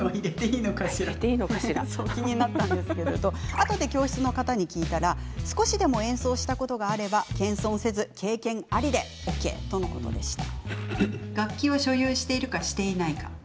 あとで教室の方に聞いたら少しでも演奏したことがあれば謙遜せず、経験ありでＯＫとのことでした。